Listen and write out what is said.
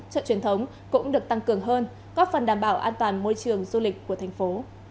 chợ truyền thống cũng được tăng cường hơn có phần đảm bảo an toàn môi trường du lịch của thành phố